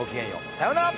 さようなら。